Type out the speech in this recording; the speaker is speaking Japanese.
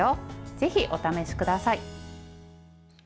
ぜひお試しください。